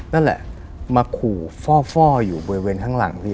นั่นแหละมาขู่ฟ่ออยู่บริเวณข้างหลังพี่